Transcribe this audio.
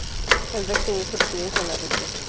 El rex tenía su residencia en la Regia.